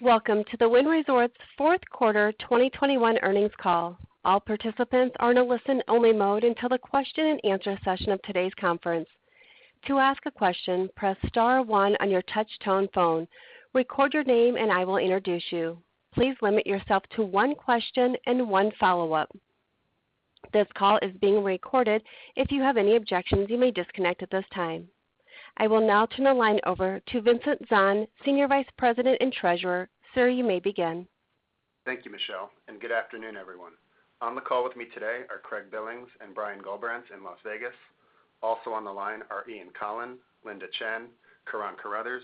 Welcome to the Wynn Resorts Fourth Quarter 2021 Earnings Call. All participants are in a listen-only mode until the question-and-answer session of today's conference. To ask a question, press star one on your touch-tone phone, record your name and I will introduce you. Please limit yourself to one question and one follow-up. This call is being recorded. If you have any objections, you may disconnect at this time. I will now turn the line over to Vincent Zahn, Senior Vice President and Treasurer. Sir, you may begin. Thank you, Michelle, and good afternoon, everyone. On the call with me today are Craig Billings and Brian Gullbrants in Las Vegas. Also on the line are Ian Coughlan, Linda Chen, Julie Cameron-Doe,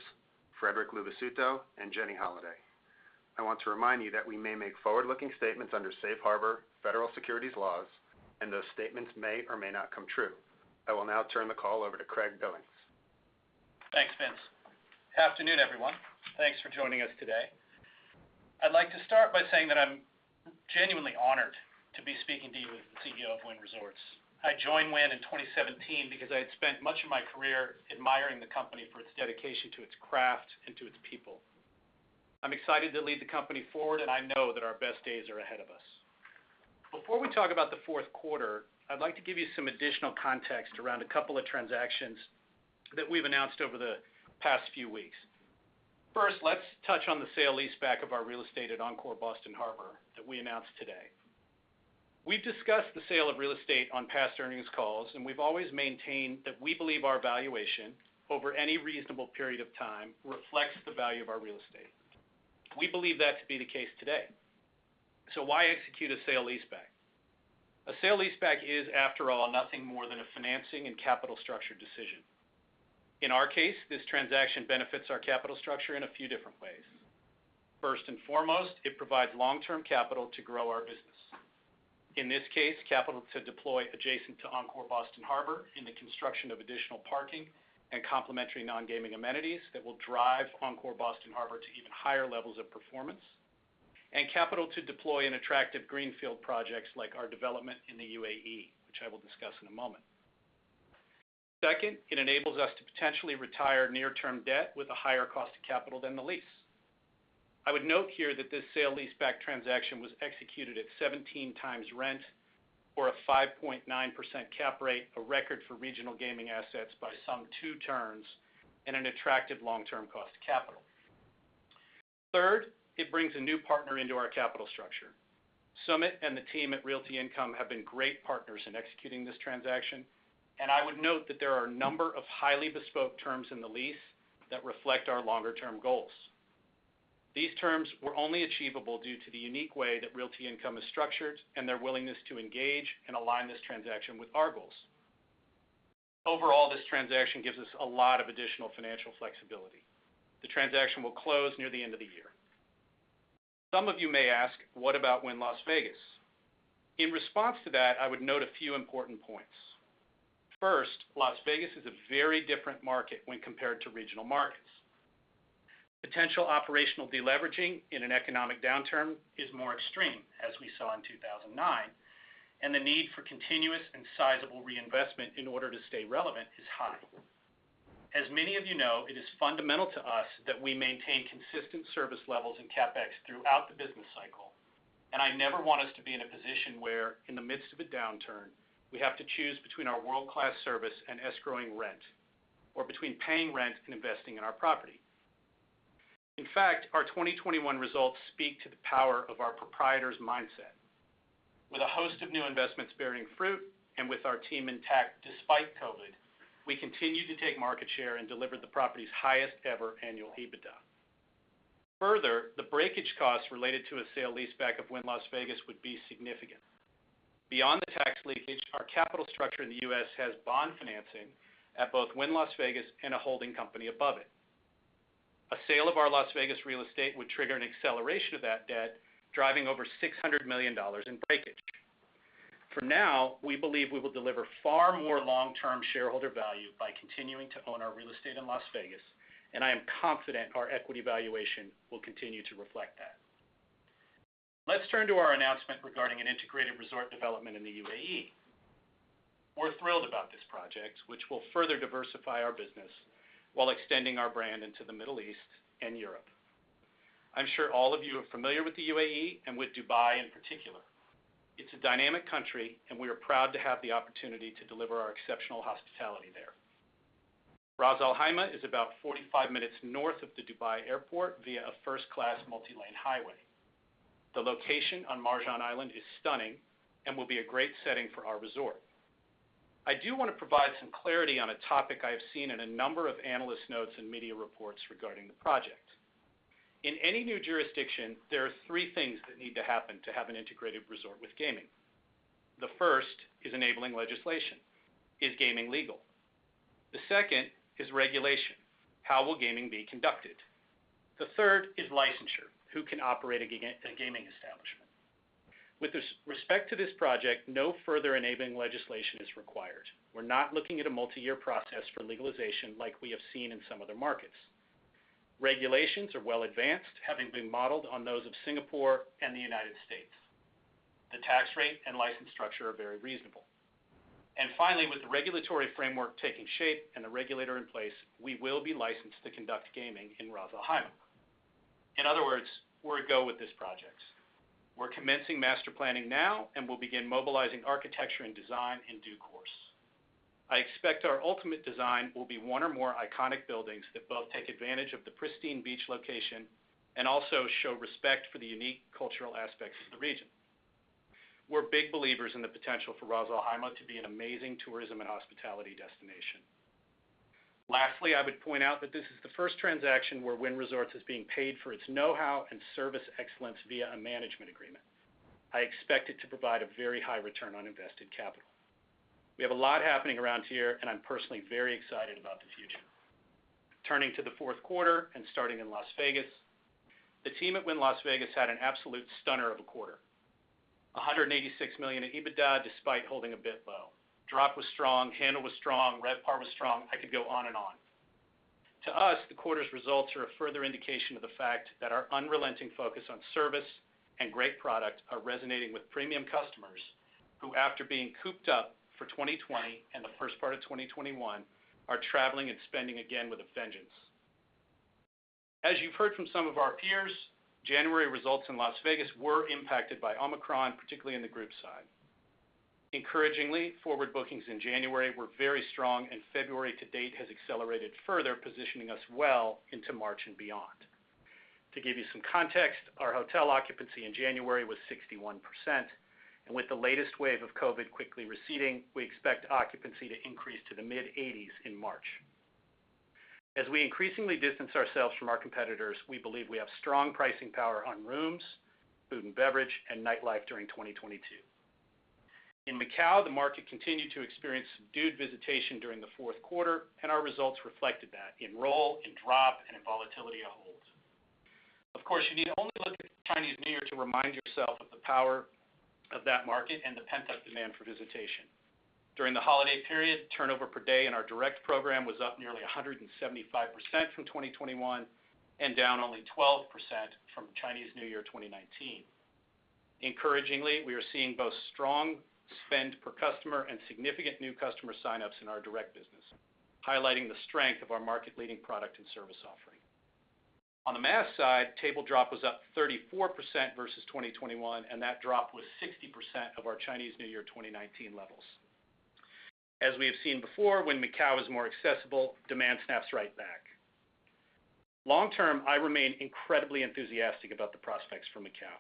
Frederic Luvisutto, and Jenny Holaday. I want to remind you that we may make forward-looking statements under Safe Harbor federal securities laws, and those statements may or may not come true. I will now turn the call over to Craig Billings. Thanks, Vince. Afternoon, everyone. Thanks for joining us today. I'd like to start by saying that I'm genuinely honored to be speaking to you as the CEO of Wynn Resorts. I joined Wynn in 2017 because I had spent much of my career admiring the company for its dedication to its craft and to its people. I'm excited to lead the company forward, and I know that our best days are ahead of us. Before we talk about the fourth quarter, I'd like to give you some additional context around a couple of transactions that we've announced over the past few weeks. First, let's touch on the sale-leaseback of our real estate at Encore Boston Harbor that we announced today. We've discussed the sale of real estate on past earnings calls, and we've always maintained that we believe our valuation over any reasonable period of time reflects the value of our real estate. We believe that to be the case today. Why execute a sale-leaseback? A sale-leaseback is, after all, nothing more than a financing and capital structure decision. In our case, this transaction benefits our capital structure in a few different ways. First and foremost, it provides long-term capital to grow our business. In this case, capital to deploy adjacent to Encore Boston Harbor in the construction of additional parking and complementary non-gaming amenities that will drive Encore Boston Harbor to even higher levels of performance, and capital to deploy in attractive greenfield projects like our development in the UAE, which I will discuss in a moment. Second, it enables us to potentially retire near-term debt with a higher cost of capital than the lease. I would note here that this sale-leaseback transaction was executed at 17 times rent or a 5.9% cap rate, a record for regional gaming assets by some two turns and an attractive long-term cost of capital. Third, it brings a new partner into our capital structure. Sumit and the team at Realty Income have been great partners in executing this transaction, and I would note that there are a number of highly bespoke terms in the lease that reflect our longer-term goals. These terms were only achievable due to the unique way that Realty Income is structured and their willingness to engage and align this transaction with our goals. Overall, this transaction gives us a lot of additional financial flexibility. The transaction will close near the end of the year. Some of you may ask, what about Wynn Las Vegas? In response to that, I would note a few important points. First, Las Vegas is a very different market when compared to regional markets. Potential operational deleveraging in an economic downturn is more extreme, as we saw in 2009, and the need for continuous and sizable reinvestment in order to stay relevant is high. As many of you know, it is fundamental to us that we maintain consistent service levels and CapEx throughout the business cycle, and I never want us to be in a position where, in the midst of a downturn, we have to choose between our world-class service and escrowing rent or between paying rent and investing in our property. In fact, our 2021 results speak to the power of our proprietor's mindset. With a host of new investments bearing fruit and with our team intact despite COVID, we continue to take market share and deliver the property's highest-ever annual EBITDA. Further, the breakage costs related to a sale-leaseback of Wynn Las Vegas would be significant. Beyond the tax leakage, our capital structure in the U.S. has bond financing at both Wynn Las Vegas and a holding company above it. A sale of our Las Vegas real estate would trigger an acceleration of that debt, driving over $600 million in breakage. For now, we believe we will deliver far more long-term shareholder value by continuing to own our real estate in Las Vegas, and I am confident our equity valuation will continue to reflect that. Let's turn to our announcement regarding an integrated resort development in the UAE. We're thrilled about this project, which will further diversify our business while extending our brand into the Middle East and Europe. I'm sure all of you are familiar with the UAE and with Dubai in particular. It's a dynamic country and we are proud to have the opportunity to deliver our exceptional hospitality there. Ras Al Khaimah is about 45 minutes north of the Dubai Airport via a first-class multi-lane highway. The location on Marjan Island is stunning and will be a great setting for our resort. I do want to provide some clarity on a topic I have seen in a number of analyst notes and media reports regarding the project. In any new jurisdiction, there are three things that need to happen to have an integrated resort with gaming. The first is enabling legislation. Is gaming legal? The second is regulation. How will gaming be conducted? The third is licensure. Who can operate a gaming establishment? With respect to this project, no further enabling legislation is required. We're not looking at a multi-year process for legalization like we have seen in some other markets. Regulations are well advanced, having been modeled on those of Singapore and the United States. The tax rate and license structure are very reasonable. Finally, with the regulatory framework taking shape and the regulator in place, we will be licensed to conduct gaming in Ras Al Khaimah. In other words, we're a go with this project. We're commencing master planning now, and we'll begin mobilizing architecture and design in due course. I expect our ultimate design will be one or more iconic buildings that both take advantage of the pristine beach location and also show respect for the unique cultural aspects of the region. We're big believers in the potential for Ras Al Khaimah to be an amazing tourism and hospitality destination. Lastly, I would point out that this is the first transaction where Wynn Resorts is being paid for its know-how and service excellence via a management agreement. I expect it to provide a very high return on invested capital. We have a lot happening around here, and I'm personally very excited about the future. Turning to the fourth quarter and starting in Las Vegas, the team at Wynn Las Vegas had an absolute stunner of a quarter. $186 million in EBITDA despite holding a bit low. Drop was strong, handle was strong, RevPAR was strong. I could go on and on. To us, the quarter's results are a further indication of the fact that our unrelenting focus on service and great product are resonating with premium customers who, after being cooped up for 2020 and the first part of 2021, are traveling and spending again with a vengeance. As you've heard from some of our peers, January results in Las Vegas were impacted by Omicron, particularly in the group side. Encouragingly, forward bookings in January were very strong, and February to date has accelerated further, positioning us well into March and beyond. To give you some context, our hotel occupancy in January was 61%, and with the latest wave of COVID quickly receding, we expect occupancy to increase to the mid-80s in March. As we increasingly distance ourselves from our competitors, we believe we have strong pricing power on rooms, food and beverage, and nightlife during 2022. In Macau, the market continued to experience subdued visitation during the fourth quarter, and our results reflected that in roll, in drop, and in volatility of holds. Of course, you need to only look at Chinese New Year to remind yourself of the power of that market and the pent-up demand for visitation. During the holiday period, turnover per day in our direct program was up nearly 175% from 2021 and down only 12% from Chinese New Year 2019. Encouragingly, we are seeing both strong spend per customer and significant new customer sign-ups in our direct business, highlighting the strength of our market-leading product and service offering. On the mass side, table drop was up 34% versus 2021, and that drop was 60% of our Chinese New Year 2019 levels. As we have seen before, when Macau is more accessible, demand snaps right back. Long term, I remain incredibly enthusiastic about the prospects for Macau.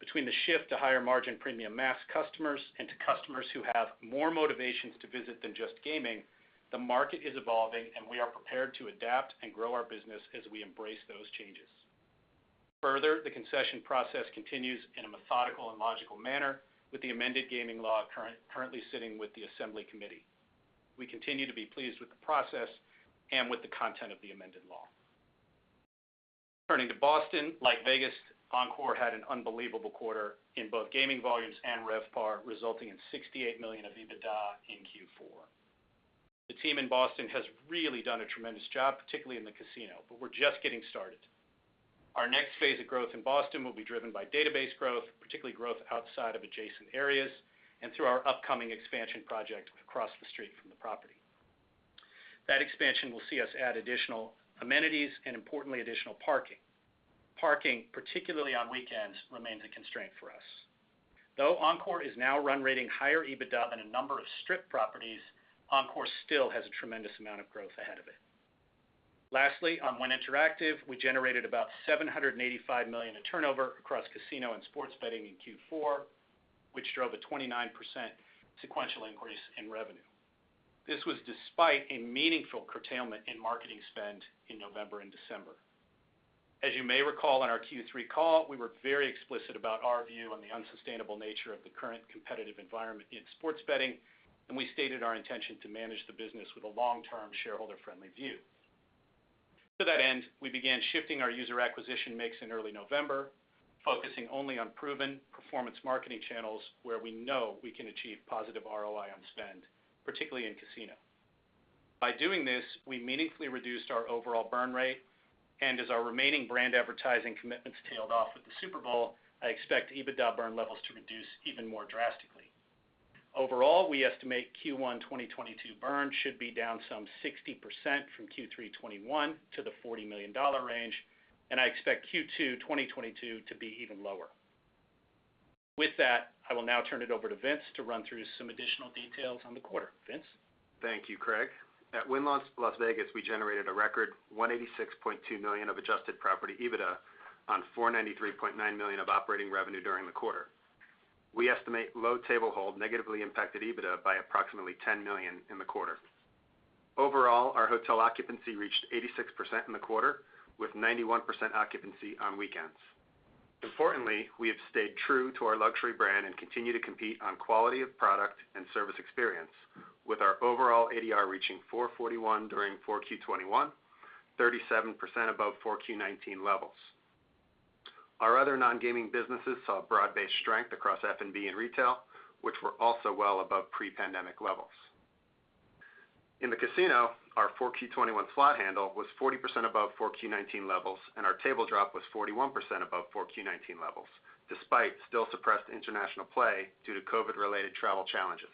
Between the shift to higher margin premium mass customers and to customers who have more motivations to visit than just gaming, the market is evolving, and we are prepared to adapt and grow our business as we embrace those changes. Further, the concession process continues in a methodical and logical manner with the amended gaming law currently sitting with the assembly committee. We continue to be pleased with the process and with the content of the amended law. Turning to Boston, like Vegas, Encore had an unbelievable quarter in both gaming volumes and RevPAR, resulting in $68 million of EBITDA in Q4. The team in Boston has really done a tremendous job, particularly in the casino, but we're just getting started. Our next phase of growth in Boston will be driven by database growth, particularly growth outside of adjacent areas, and through our upcoming expansion project across the street from the property. That expansion will see us add additional amenities and, importantly, additional parking. Parking, particularly on weekends, remains a constraint for us. Though Encore is now run rating higher EBITDA than a number of strip properties, Encore still has a tremendous amount of growth ahead of it. Lastly, on Wynn Interactive, we generated about $785 million in turnover across casino and sports betting in Q4, which drove a 29% sequential increase in revenue. This was despite a meaningful curtailment in marketing spend in November and December. As you may recall on our Q3 call, we were very explicit about our view on the unsustainable nature of the current competitive environment in sports betting, and we stated our intention to manage the business with a long-term shareholder-friendly view. To that end, we began shifting our user acquisition mix in early November, focusing only on proven performance marketing channels where we know we can achieve positive ROI on spend, particularly in casino. By doing this, we meaningfully reduced our overall burn rate, and as our remaining brand advertising commitments tailed off with the Super Bowl, I expect EBITDA burn levels to reduce even more drastically. Overall, we estimate Q1 2022 burn should be down some 60% from Q3 2021 to the $40 million range, and I expect Q2 2022 to be even lower. With that, I will now turn it over to Vince to run through some additional details on the quarter. Vince? Thank you, Craig. At Wynn Las Vegas, we generated a record $186.2 million of adjusted property EBITDA on $493.9 million of operating revenue during the quarter. We estimate low table hold negatively impacted EBITDA by approximately $10 million in the quarter. Overall, our hotel occupancy reached 86% in the quarter, with 91% occupancy on weekends. Importantly, we have stayed true to our luxury brand and continue to compete on quality of product and service experience with our overall ADR reaching $441 during 4Q 2021, 37% above 4Q 2019 levels. Our other non-gaming businesses saw broad-based strength across F&B and retail, which were also well above pre-pandemic levels. In the casino, our 4Q 2021 slot handle was 40% above 4Q 2019 levels, and our table drop was 41% above 4Q 2019 levels, despite still suppressed international play due to COVID-related travel challenges.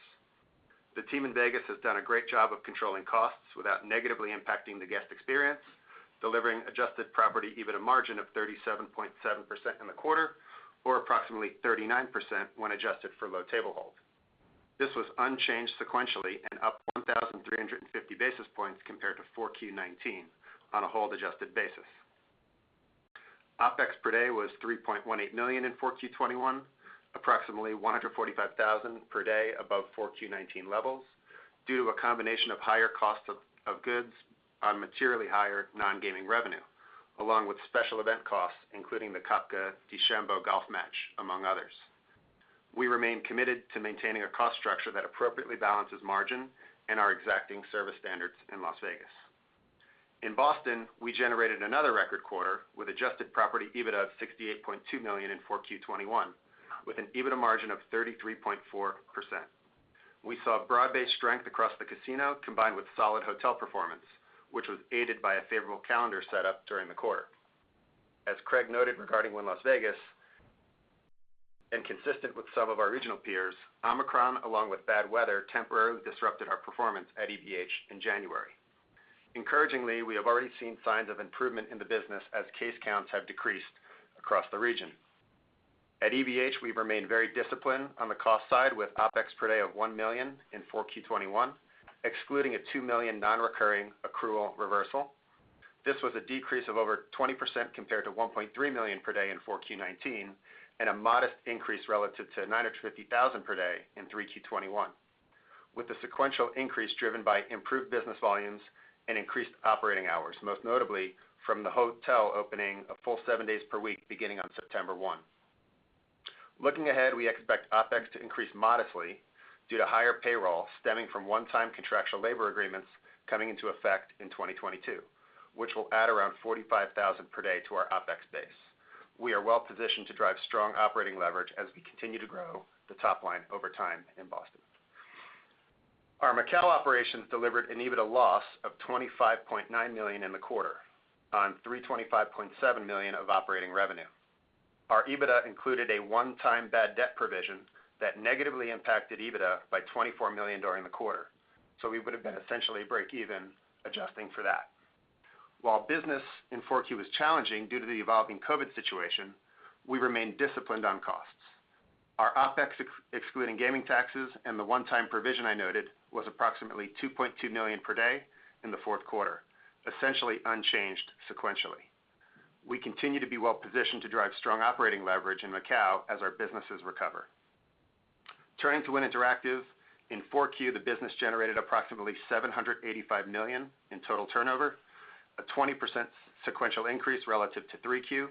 The team in Vegas has done a great job of controlling costs without negatively impacting the guest experience, delivering adjusted property EBITDA margin of 37.7% in the quarter, or approximately 39% when adjusted for low table hold. This was unchanged sequentially and up 1,350 basis points compared to 4Q 2019 on a hold-adjusted basis. OpEx per day was $3.18 million in 4Q 2021, approximately $145,000 per day above 4Q 2019 levels due to a combination of higher cost of goods on materially higher non-gaming revenue, along with special event costs, including the Koepka vs. DeChambeau golf match, among others. We remain committed to maintaining a cost structure that appropriately balances margin and our exacting service standards in Las Vegas. In Boston, we generated another record quarter with adjusted property EBITDA of $68.2 million in 4Q 2021 with an EBITDA margin of 33.4%. We saw broad-based strength across the casino combined with solid hotel performance, which was aided by a favorable calendar set up during the quarter. As Craig noted regarding Wynn Las Vegas and consistent with some of our regional peers, Omicron, along with bad weather, temporarily disrupted our performance at EBH in January. Encouragingly, we have already seen signs of improvement in the business as case counts have decreased across the region. At EBH, we remain very disciplined on the cost side with OpEx per day of $1 million in 4Q 2021, excluding a $2 million non-recurring accrual reversal. This was a decrease of over 20% compared to $1.3 million per day in 4Q 2019 and a modest increase relative to $950,000 per day in 3Q 2021, with the sequential increase driven by improved business volumes and increased operating hours, most notably from the hotel opening a full seven days per week beginning on September 1. Looking ahead, we expect OpEx to increase modestly due to higher payroll stemming from one-time contractual labor agreements coming into effect in 2022, which will add around $45,000 per day to our OpEx base. We are well-positioned to drive strong operating leverage as we continue to grow the top line over time in Boston. Our Macau operations delivered an EBITDA loss of $25.9 million in the quarter on $325.7 million of operating revenue. Our EBITDA included a one-time bad debt provision that negatively impacted EBITDA by $24 million during the quarter, so we would have been essentially breakeven adjusting for that. While business in 4Q was challenging due to the evolving COVID situation, we remain disciplined on costs. Our OpEx excluding gaming taxes and the one-time provision I noted was approximately $2.2 million per day in the fourth quarter, essentially unchanged sequentially. We continue to be well-positioned to drive strong operating leverage in Macau as our businesses recover. Turning to Wynn Interactive. In 4Q, the business generated approximately $785 million in total turnover, a 20% sequential increase relative to 3Q.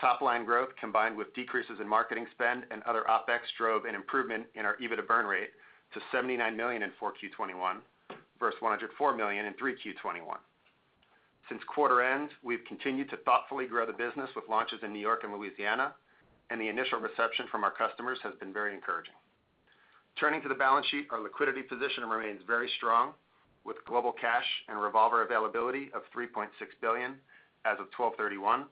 Top line growth, combined with decreases in marketing spend and other OpEx, drove an improvement in our EBITDA burn rate to $79 million in 4Q 2021 versus $104 million in 3Q 2021. Since quarter end, we've continued to thoughtfully grow the business with launches in New York and Louisiana, and the initial reception from our customers has been very encouraging. Turning to the balance sheet, our liquidity position remains very strong with global cash and revolver availability of $3.6 billion as of 12/31.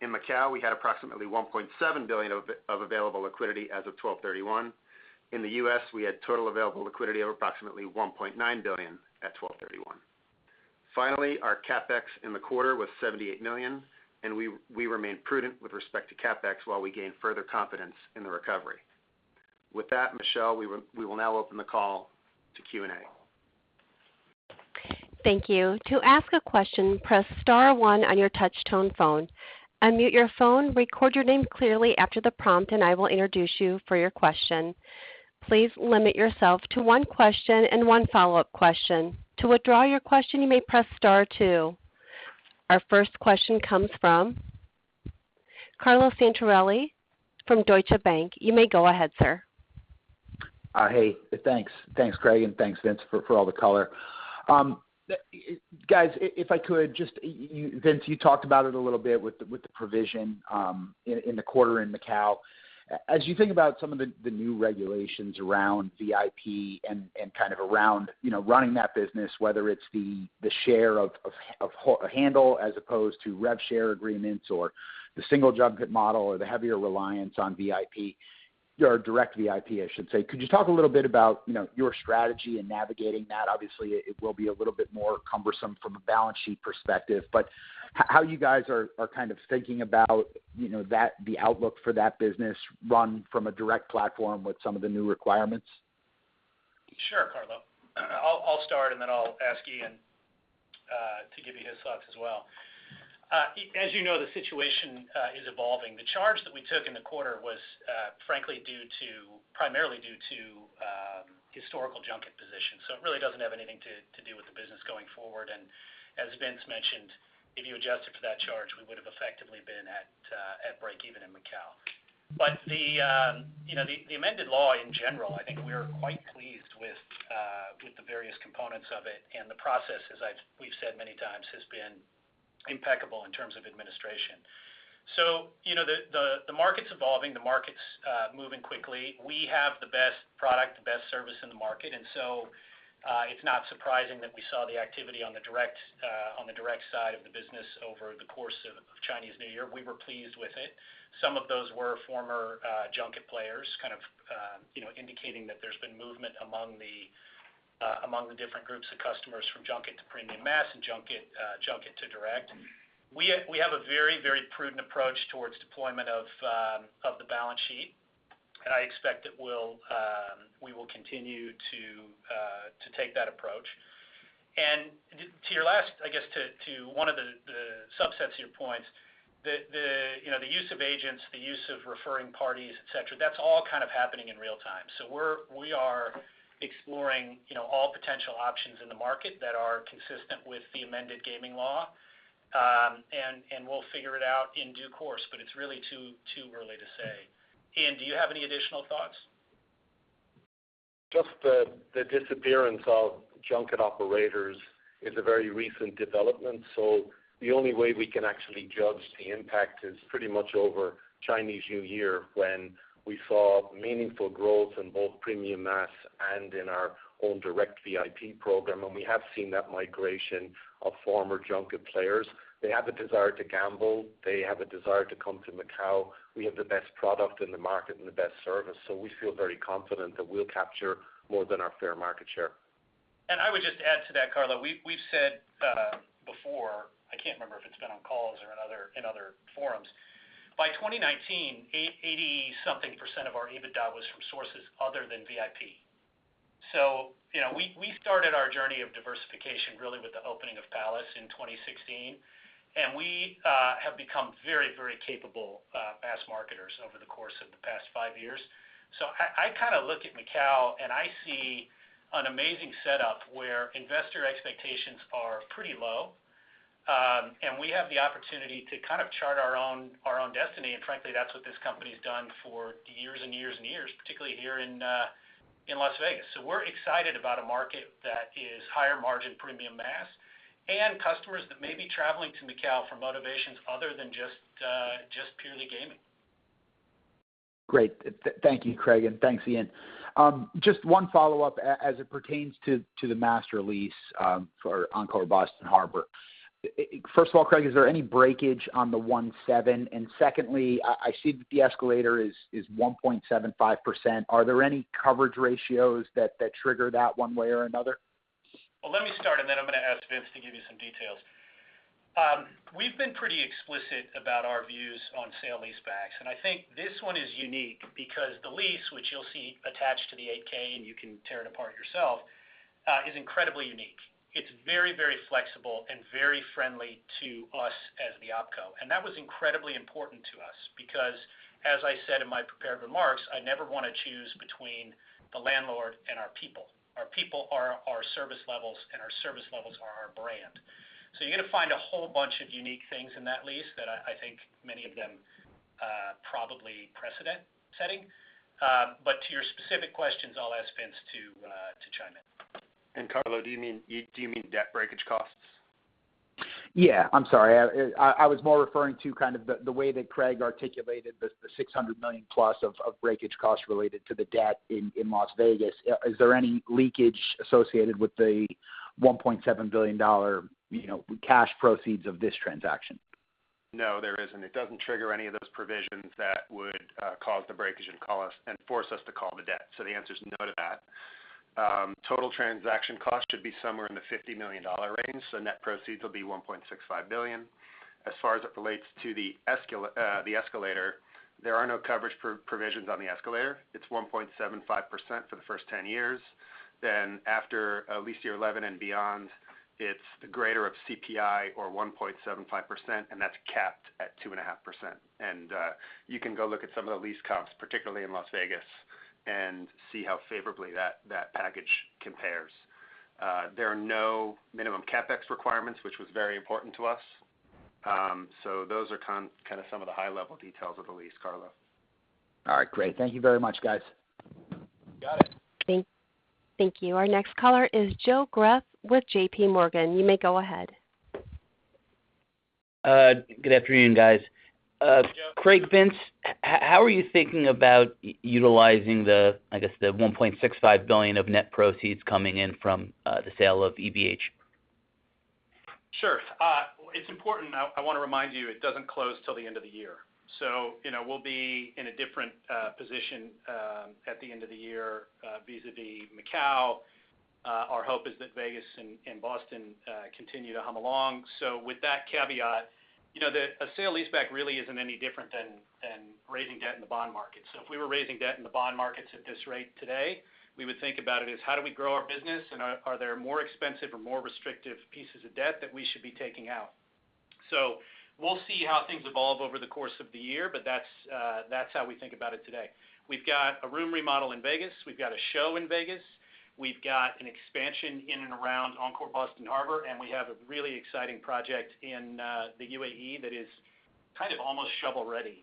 In Macau, we had approximately $1.7 billion of available liquidity as of 12/31. In the U.S., we had total available liquidity of approximately $1.9 billion at 12/31. Finally, our CapEx in the quarter was $78 million, and we remain prudent with respect to CapEx while we gain further confidence in the recovery. With that, Michelle, we will now open the call to Q&A. Thank you. To ask a question, press star one on your touch tone phone. Unmute your phone, record your name clearly after the prompt, and I will introduce you for your question. Please limit yourself to one question and one follow-up question. To withdraw your question, you may press star two. Our first question comes from Carlo Santarelli from Deutsche Bank. You may go ahead, sir. Thanks, Craig, and thanks, Vince, for all the color. Guys, if I could just—Vince, you talked about it a little bit with the provision in the quarter in Macau. As you think about some of the new regulations around VIP and kind of around, you know, running that business, whether it's the share of handle as opposed to rev share agreements or the single junket model or the heavier reliance on VIP or direct VIP, I should say, could you talk a little bit about, you know, your strategy in navigating that? Obviously, it will be a little bit more cumbersome from a balance sheet perspective, but how you guys are kind of thinking about, you know, that the outlook for that business run from a direct platform with some of the new requirements. Sure, Carlo. I'll start, and then I'll ask Ian to give you his thoughts as well. As you know, the situation is evolving. The charge that we took in the quarter was frankly primarily due to historical junket positions. It really doesn't have anything to do with the business going forward. As Vince mentioned, if you adjusted for that charge, we would have effectively been at breakeven in Macau. The amended law in general, I think we are quite pleased with the various components of it. The process, as we've said many times, has been Impeccable in terms of administration. You know, the market's evolving, moving quickly. We have the best product, the best service in the market. It's not surprising that we saw the activity on the direct side of the business over the course of Chinese New Year. We were pleased with it. Some of those were former junket players, kind of, you know, indicating that there's been movement among the different groups of customers from junket to premium mass and junket to direct. We have a very prudent approach towards deployment of the balance sheet, and I expect we will continue to take that approach. To your last, I guess, to one of the subsets of your points, you know, the use of agents, the use of referring parties, et cetera, that's all kind of happening in real time. We are exploring, you know, all potential options in the market that are consistent with the amended gaming law. We'll figure it out in due course, but it's really too early to say. Ian, do you have any additional thoughts? Just the disappearance of junket operators is a very recent development. The only way we can actually judge the impact is pretty much over Chinese New Year when we saw meaningful growth in both premium mass and in our own direct VIP program. We have seen that migration of former junket players. They have a desire to gamble. They have a desire to come to Macau. We have the best product in the market and the best service. We feel very confident that we'll capture more than our fair market share. I would just add to that, Carlo. We've said before, I can't remember if it's been on calls or in other forums. By 2019, eighty-something% of our EBITDA was from sources other than VIP. You know, we started our journey of diversification really with the opening of Palace in 2016, and we have become very capable mass marketers over the course of the past five years. I kinda look at Macau and I see an amazing setup where investor expectations are pretty low, and we have the opportunity to kind of chart our own destiny. Frankly, that's what this company's done for years and years and years, particularly here in Las Vegas. We're excited about a market that is higher margin premium mass and customers that may be traveling to Macau for motivations other than just purely gaming. Great. Thank you, Craig, and thanks, Ian. Just one follow-up as it pertains to the master lease for Encore Boston Harbor. First of all, Craig, is there any breakage on the $1.7 billion? Secondly, I see that the escalator is 1.75%. Are there any coverage ratios that trigger that one way or another? Well, let me start, and then I'm gonna ask Vince to give you some details. We've been pretty explicit about our views on sale-leasebacks, and I think this one is unique because the lease, which you'll see attached to the 8-K, and you can tear it apart yourself, is incredibly unique. It's very, very flexible and very friendly to us as the Opco. That was incredibly important to us because, as I said in my prepared remarks, I never wanna choose between the landlord and our people. Our people are our service levels, and our service levels are our brand. You're gonna find a whole bunch of unique things in that lease that I think many of them probably precedent setting. To your specific questions, I'll ask Vince to chime in. Carlo, do you mean debt breakage costs? Yeah. I'm sorry. I was more referring to kind of the way that Craig articulated the $600 million plus of breakage costs related to the debt in Las Vegas. Is there any leakage associated with the $1.7 billion, you know, cash proceeds of this transaction? No, there isn't. It doesn't trigger any of those provisions that would cause the breakage and force us to call the debt. So the answer is no to that. Total transaction costs should be somewhere in the $50 million range, so net proceeds will be $1.65 billion. As far as it relates to the escalator, there are no coverage provisions on the escalator. It's 1.75% for the first 10 years. Then after, lease year 11 and beyond, it's the greater of CPI or 1.75%, and that's capped at 2.5%. You can go look at some of the lease comps, particularly in Las Vegas, and see how favorably that package compares. There are no minimum CapEx requirements, which was very important to us. Those are kind, kinda some of the high-level details of the lease, Carlo. All right. Great. Thank you very much, guys. Got it. Thank you. Our next caller is Joe Greff with JP Morgan. You may go ahead. Good afternoon, guys. Joe. Craig, Vince, how are you thinking about utilizing the, I guess, the $1.65 billion of net proceeds coming in from the sale of EBH? Sure. It's important. I wanna remind you it doesn't close till the end of the year. You know, we'll be in a different position at the end of the year vis-à-vis Macau. Our hope is that Vegas and Boston continue to hum along. With that caveat, you know, a sale-leaseback really isn't any different than raising debt in the bond market. If we were raising debt in the bond markets at this rate today, we would think about it as how do we grow our business, and are there more expensive or more restrictive pieces of debt that we should be taking out? We'll see how things evolve over the course of the year, but that's how we think about it today. We've got a room remodel in Vegas. We've got a show in Vegas. We've got an expansion in and around Encore Boston Harbor, and we have a really exciting project in the UAE that is kind of almost shovel-ready.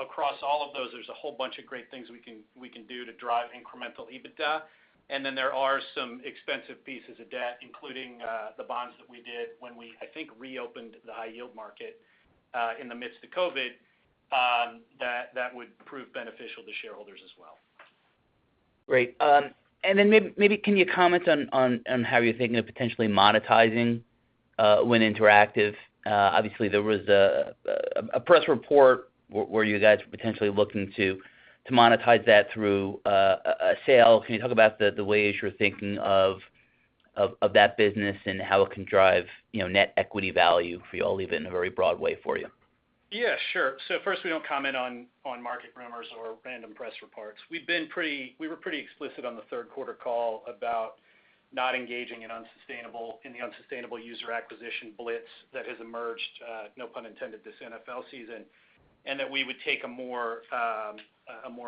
Across all of those, there's a whole bunch of great things we can do to drive incremental EBITDA. There are some expensive pieces of debt, including the bonds that we did when we, I think, reopened the high-yield market in the midst of COVID that would prove beneficial to shareholders as well. Great. Maybe can you comment on how you're thinking of potentially monetizing Wynn Interactive? Obviously, there was a press report where you guys were potentially looking to monetize that through a sale. Can you talk about the ways you're thinking of that business and how it can drive, you know, net equity value for you all, even in a very broad way for you? Yeah, sure. First, we don't comment on market rumors or random press reports. We were pretty explicit on the third quarter call about not engaging in the unsustainable user acquisition blitz that has emerged, no pun intended, this NFL season, and that we would take a more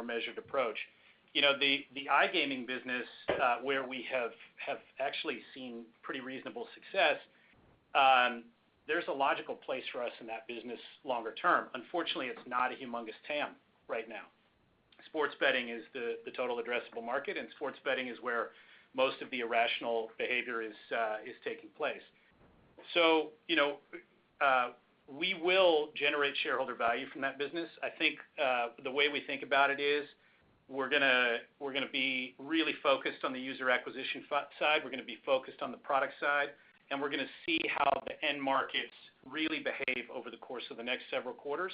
measured approach. You know, the iGaming business, where we have actually seen pretty reasonable success, there's a logical place for us in that business longer term. Unfortunately, it's not a humongous TAM right now. Sports betting is the total addressable market, and sports betting is where most of the irrational behavior is taking place. You know, we will generate shareholder value from that business. I think the way we think about it is we're gonna be really focused on the user acquisition focus side, we're gonna be focused on the product side, and we're gonna see how the end markets really behave over the course of the next several quarters.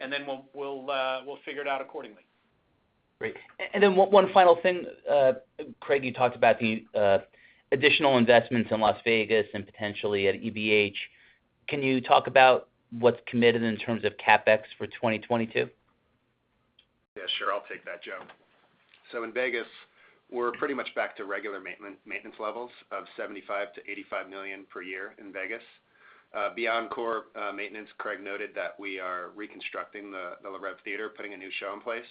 Then we'll figure it out accordingly. One final thing. Craig, you talked about the additional investments in Las Vegas and potentially at EBH. Can you talk about what's committed in terms of CapEx for 2022? Yeah, sure. I'll take that, Joe. In Vegas, we're pretty much back to regular maintenance levels of $75-$85 million per year in Vegas. Beyond core maintenance, Craig noted that we are reconstructing the Le Rêve theater, putting a new show in place.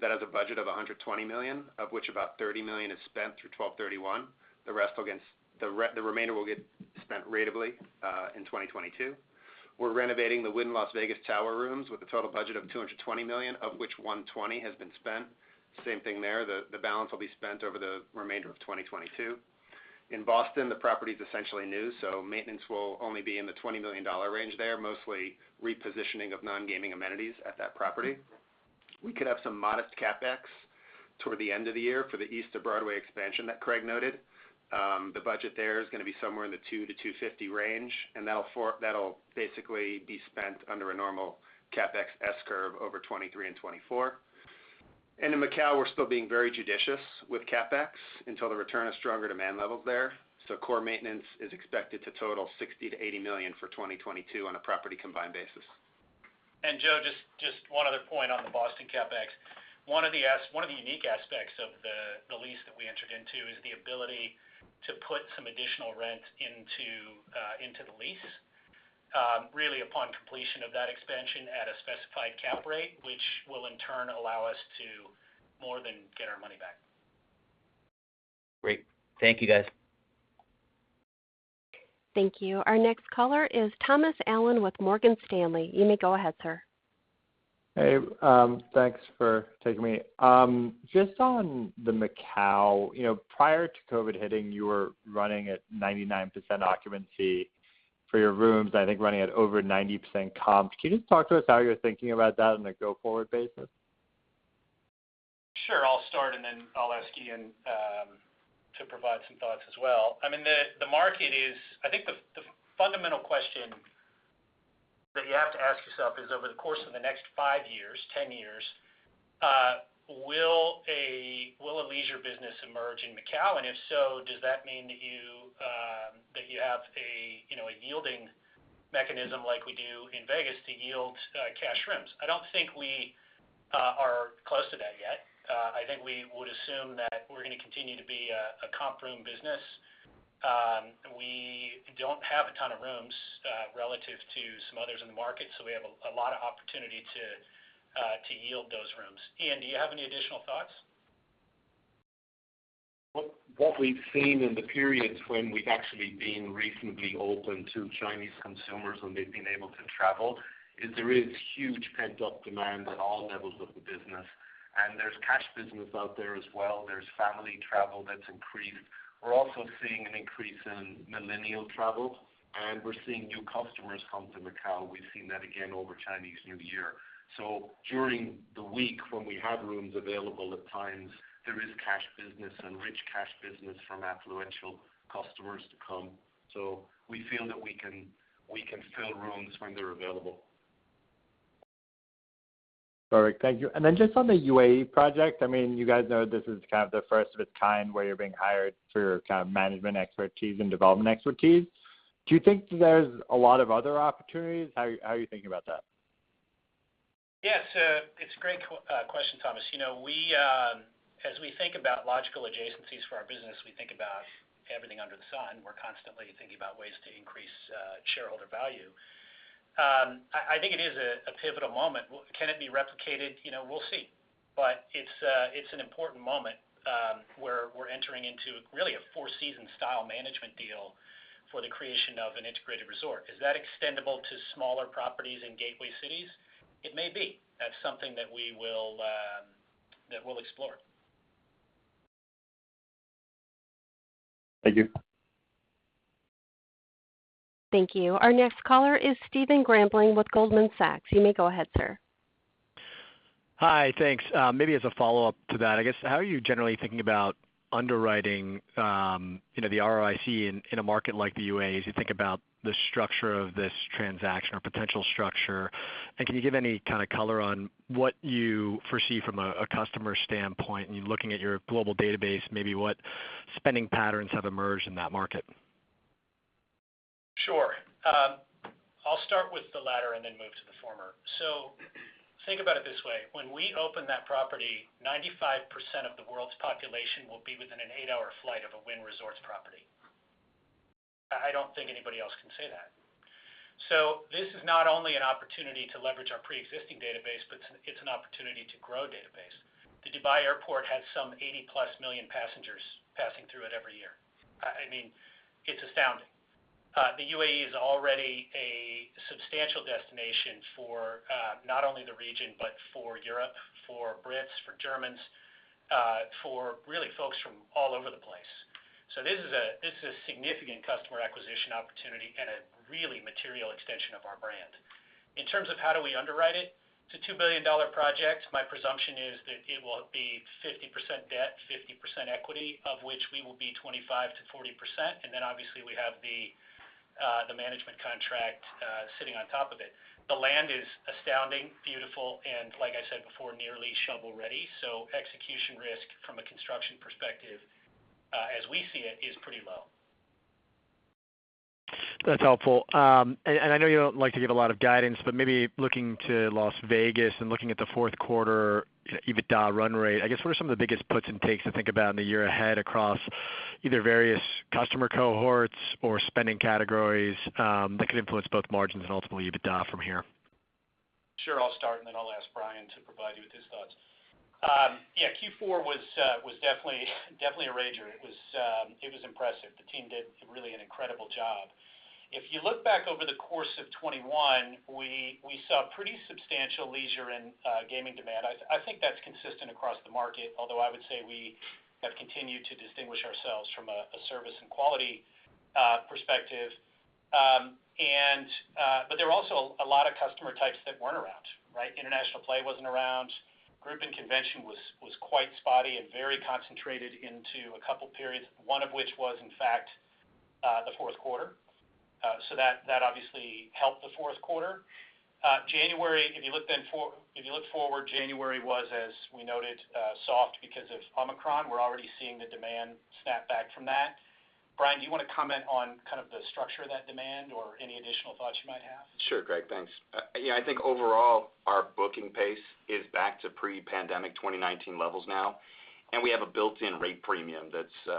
That has a budget of $120 million, of which about $30 million is spent through 12/31. The remainder will get spent ratably in 2022. We're renovating the Wynn Las Vegas tower rooms with a total budget of $220 million, of which $120 million has been spent. Same thing there, the balance will be spent over the remainder of 2022. In Boston, the property is essentially new, so maintenance will only be in the $20 million range there, mostly repositioning of non-gaming amenities at that property. We could have some modest CapEx toward the end of the year for the East of Broadway expansion that Craig noted. The budget there is gonna be somewhere in the $200 million-$250 million range, and that'll basically be spent under a normal CapEx S-curve over 2023 and 2024. In Macau, we're still being very judicious with CapEx until the return of stronger demand levels there. Core maintenance is expected to total $60 million-$80 million for 2022 on a property combined basis. Joe, just one other point on the Boston CapEx. One of the unique aspects of the lease that we entered into is the ability to put some additional rent into the lease, really upon completion of that expansion at a specified cap rate, which will in turn allow us to more than get our money back. Great. Thank you, guys. Thank you. Our next caller is Thomas Allen with Morgan Stanley. You may go ahead, sir. Hey, thanks for taking me. Just on the Macau, you know, prior to COVID hitting, you were running at 99% occupancy for your rooms, I think running at over 90% comps. Can you just talk to us how you're thinking about that on a go-forward basis? Sure. I'll start, and then I'll ask Ian to provide some thoughts as well. I mean, the market is. I think the fundamental question that you have to ask yourself is, over the course of the next five years, 10 years, will a leisure business emerge in Macau? And if so, does that mean that you that you have a, you know, a yielding mechanism like we do in Vegas to yield cash rooms? I don't think we are close to that yet. I think we would assume that we're gonna continue to be a comp room business. We don't have a ton of rooms relative to some others in the market, so we have a lot of opportunity to yield those rooms. Ian, do you have any additional thoughts? What we've seen in the periods when we've actually been recently open to Chinese consumers when they've been able to travel is there is huge pent-up demand at all levels of the business. There's cash business out there as well. There's family travel that's increased. We're also seeing an increase in millennial travel, and we're seeing new customers come to Macau. We've seen that again over Chinese New Year. During the week when we have rooms available at times, there is cash business and rich cash business from influential customers to come. We feel that we can fill rooms when they're available. All right. Thank you. Just on the UAE project, I mean, you guys know this is kind of the first of its kind where you're being hired for kind of management expertise and development expertise. Do you think there's a lot of other opportunities? How are you thinking about that? Yes. It's a great question, Thomas. You know, as we think about logical adjacencies for our business, we think about everything under the sun. We're constantly thinking about ways to increase shareholder value. I think it is a pivotal moment. Can it be replicated? You know, we'll see. It's an important moment where we're entering into really a Four Seasons-style management deal for the creation of an integrated resort. Is that extendable to smaller properties in gateway cities? It may be. That's something that we'll explore. Thank you. Thank you. Our next caller is Stephen Grambling with Goldman Sachs. You may go ahead, sir. Hi. Thanks. Maybe as a follow-up to that, I guess, how are you generally thinking about underwriting, you know, the ROIC in a market like the UAE as you think about the structure of this transaction or potential structure? Can you give any kind of color on what you foresee from a customer standpoint and you're looking at your global database, maybe what spending patterns have emerged in that market? Sure. I'll start with the latter and then move to the former. Think about it this way. When we open that property, 95% of the world's population will be within an eight-hour flight of a Wynn Resorts property. I don't think anybody else can say that. This is not only an opportunity to leverage our pre-existing database, but it's an opportunity to grow database. The Dubai Airport has some 80+ million passengers passing through it every year. I mean, it's astounding. The UAE is already a substantial destination for, not only the region, but for Europe, for Brits, for Germans, for really folks from all over the place. This is a significant customer acquisition opportunity and a really material extension of our brand. In terms of how do we underwrite it's a $2 billion project. My presumption is that it will be 50% debt, 50% equity, of which we will be 25%-40%. Then obviously we have the management contract sitting on top of it. The land is astounding, beautiful, and like I said before, nearly shovel-ready. Execution risk from a construction perspective, as we see it, is pretty low. That's helpful. I know you don't like to give a lot of guidance, but maybe looking to Las Vegas and looking at the fourth quarter EBITDA run rate, I guess what are some of the biggest puts and takes to think about in the year ahead across either various customer cohorts or spending categories that could influence both margins and ultimately EBITDA from here? Sure. I'll start and then I'll ask Brian to provide you with his thoughts. Yeah, Q4 was definitely a rager. It was impressive. The team did really an incredible job. If you look back over the course of 2021, we saw pretty substantial leisure and gaming demand. I think that's consistent across the market, although I would say we have continued to distinguish ourselves from a service and quality perspective. But there are also a lot of customer types that weren't around, right? International play wasn't around. Group and convention was quite spotty and very concentrated into a couple periods, one of which was in fact the fourth quarter. So that obviously helped the fourth quarter. January, if you look forward, January was, as we noted, soft because of Omicron. We're already seeing the demand snap back from that. Brian, do you wanna comment on kind of the structure of that demand or any additional thoughts you might have? Sure, Craig, thanks. Yeah, I think overall our booking pace is back to pre-pandemic 2019 levels now, and we have a built-in rate premium that's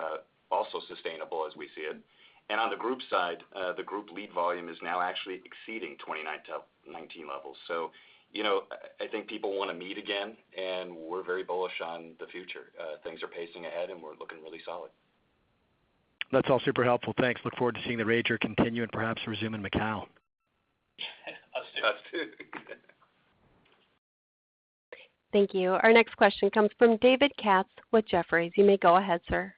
also sustainable as we see it. On the group side, the group lead volume is now actually exceeding 2019 levels. You know, I think people wanna meet again, and we're very bullish on the future. Things are pacing ahead and we're looking really solid. That's all super helpful. Thanks. Look forward to seeing the rager continue and perhaps resume in Macau. Us too. Us too. Thank you. Our next question comes from David Katz with Jefferies. You may go ahead, sir.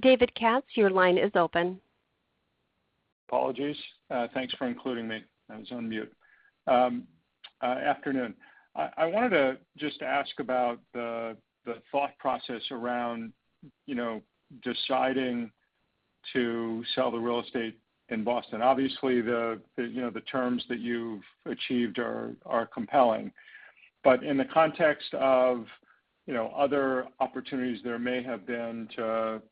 David Katz, your line is open. Apologies. Thanks for including me. I was on mute. Afternoon. I wanted to just ask about the thought process around deciding to sell the real estate in Boston. Obviously, the terms that you've achieved are compelling. In the context of other opportunities there may have been to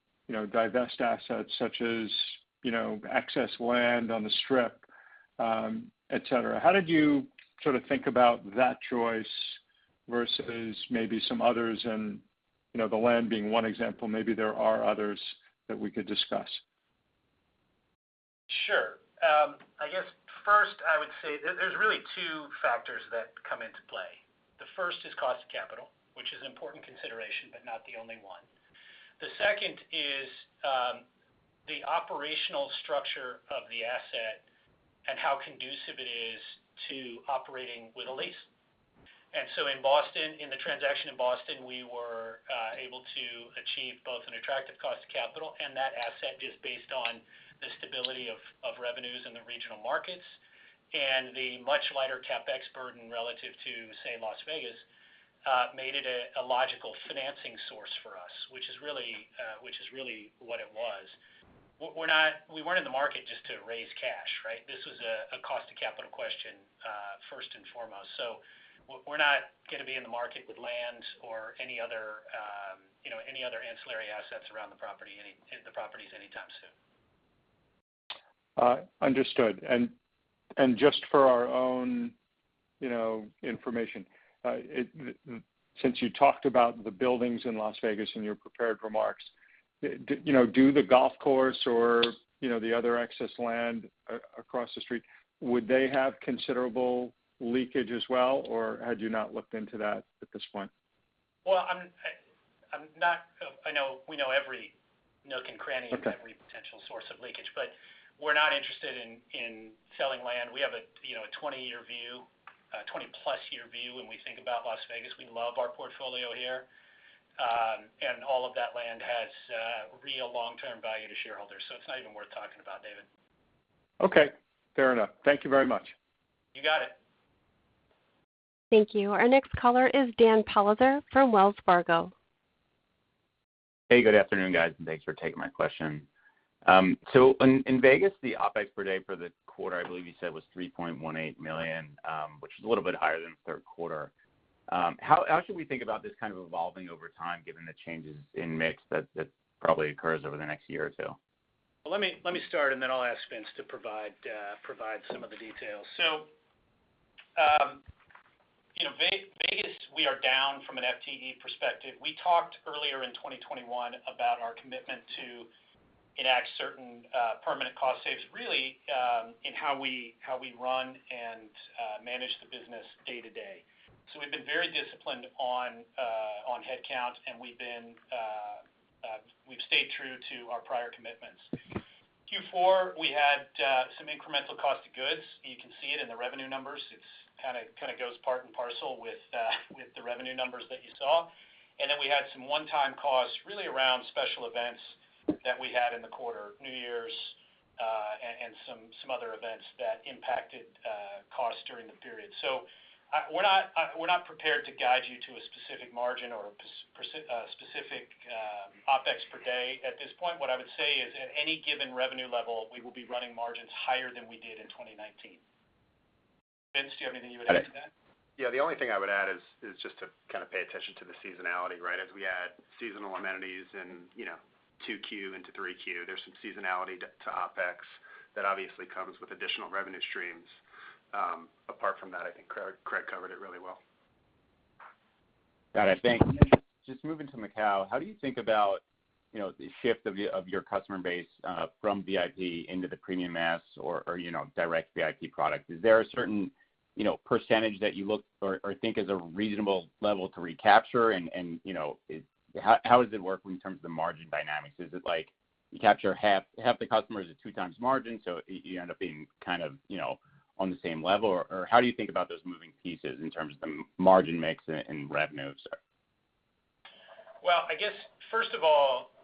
divest assets such as excess land on the Strip, etc. How did you sort of think about that choice versus maybe some others and the land being one example, maybe there are others that we could discuss? Sure. I guess first, I would say there's really two factors that come into play. The first is cost of capital, which is an important consideration, but not the only one. The second is the operational structure of the asset and how conducive it is to operating with a lease. In Boston, in the transaction in Boston, we were able to achieve both an attractive cost of capital, and that asset, just based on the stability of revenues in the regional markets and the much lighter CapEx burden relative to, say, Las Vegas, made it a logical financing source for us, which is really what it was. We weren't in the market just to raise cash, right? This was a cost of capital question, first and foremost. We're not gonna be in the market with land or any other, you know, ancillary assets around the properties anytime soon. Understood. Just for our own, you know, information. Since you talked about the buildings in Las Vegas in your prepared remarks, you know, the golf course or, you know, the other excess land across the street, would they have considerable leakage as well, or had you not looked into that at this point? I know we know every nook and cranny. Okay. of every potential source of leakage, but we're not interested in selling land. We have a, you know, a 20-year view, 20-plus year view when we think about Las Vegas. We love our portfolio here. All of that land has real long-term value to shareholders, so it's not even worth talking about, David. Okay, fair enough. Thank you very much. You got it. Thank you. Our next caller is Dan Politzer from Wells Fargo. Hey, good afternoon, guys, and thanks for taking my question. So in Vegas, the OpEx per day for the quarter, I believe you said was $3.18 million, which is a little bit higher than the third quarter. How should we think about this kind of evolving over time, given the changes in mix that probably occurs over the next year or two? Well, let me start, and then I'll ask Vince to provide some of the details. You know, Vegas, we are down from an FTE perspective. We talked earlier in 2021 about our commitment to enact certain permanent cost savings, really, in how we run and manage the business day to day. We've been very disciplined on headcount, and we've stayed true to our prior commitments. Q4, we had some incremental cost of goods. You can see it in the revenue numbers. It kind of goes part and parcel with the revenue numbers that you saw. We had some one-time costs really around special events that we had in the quarter, New Year's, and some other events that impacted costs during the period. We're not prepared to guide you to a specific margin or a specific OpEx per day. At this point, what I would say is, at any given revenue level, we will be running margins higher than we did in 2019. Vince, do you have anything you would add to that? Yeah. The only thing I would add is just to kind of pay attention to the seasonality, right? As we add seasonal amenities in, you know, 2Q into 3Q, there's some seasonality to OpEx that obviously comes with additional revenue streams. Apart from that, I think Craig covered it really well. Got it. Thanks. Just moving to Macau, how do you think about, you know, the shift of your customer base from VIP into the premium mass or, you know, direct VIP product? Is there a certain, you know, percentage that you look or think is a reasonable level to recapture? You know, how does it work in terms of the margin dynamics? Is it like you capture half the customers at 2 times margin, so you end up being kind of, you know, on the same level? How do you think about those moving pieces in terms of the margin mix and revenues? Well, I guess, first of all,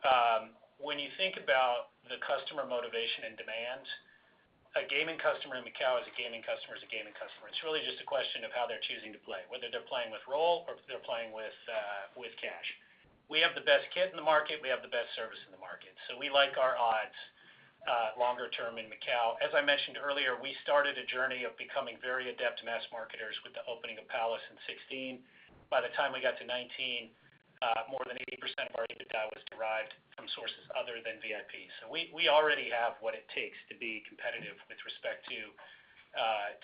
when you think about the customer motivation and demand, a gaming customer in Macau is a gaming customer. It's really just a question of how they're choosing to play, whether they're playing with roll or if they're playing with cash. We have the best kit in the market. We have the best service in the market. So we like our odds longer term in Macau. As I mentioned earlier, we started a journey of becoming very adept mass marketers with the opening of Palace in 2016. By the time we got to 2019, more than 80% of our EBITDA was derived from sources other than VIP. So we already have what it takes to be competitive with respect to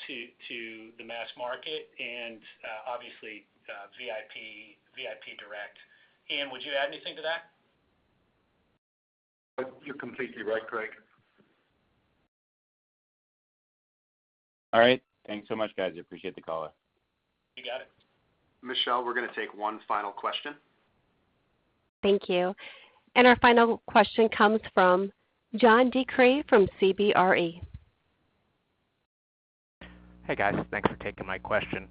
the mass market and obviously VIP direct. Ian, would you add anything to that? You're completely right, Craig. All right. Thanks so much, guys. I appreciate the call. You got it. Michelle, we're gonna take one final question. Thank you. Our final question comes from John DeCree from CBRE. Hey, guys. Thanks for taking my question.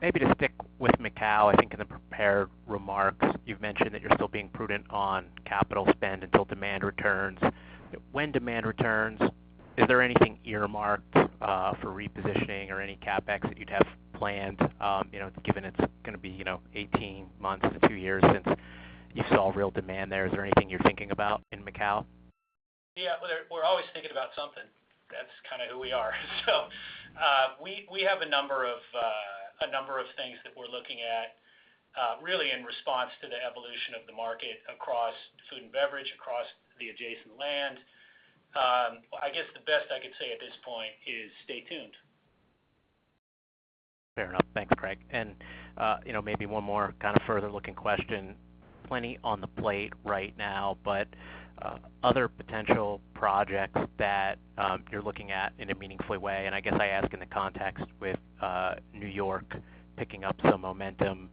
Maybe to stick with Macau, I think in the prepared remarks, you've mentioned that you're still being prudent on capital spend until demand returns. When demand returns, is there anything earmarked for repositioning or any CapEx that you'd have planned, you know, given it's gonna be, you know, 18 months to two years since you saw real demand there? Is there anything you're thinking about in Macau? Yeah. We're always thinking about something. That's kinda who we are. We have a number of things that we're looking at, really in response to the evolution of the market across food and beverage, across the adjacent land. I guess the best I could say at this point is stay tuned. Fair enough. Thanks, Craig. You know, maybe one more kind of further-looking question. Plenty on the plate right now, but other potential projects that you're looking at in a meaningful way, and I guess I ask in the context with New York picking up some momentum,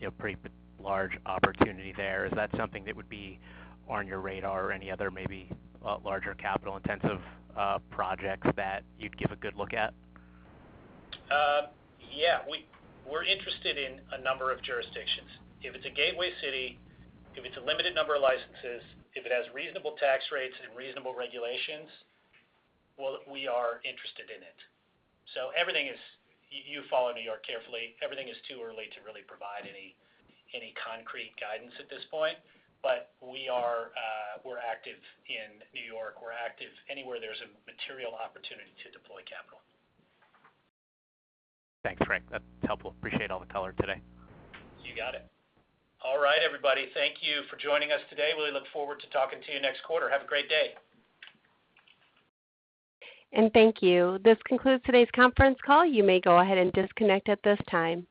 you know, pretty large opportunity there. Is that something that would be on your radar or any other maybe larger capital-intensive projects that you'd give a good look at? Yeah. We're interested in a number of jurisdictions. If it's a gateway city, if it's a limited number of licenses, if it has reasonable tax rates and reasonable regulations, well, we are interested in it. Everything is too early to really provide any concrete guidance at this point. You follow New York carefully. But we're active in New York. We're active anywhere there's a material opportunity to deploy capital. Thanks, Craig. That's helpful. Appreciate all the color today. You got it. All right, everybody. Thank you for joining us today. Really look forward to talking to you next quarter. Have a great day. Thank you. This concludes today's conference call. You may go ahead and disconnect at this time.